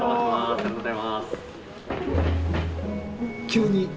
ありがとうございます。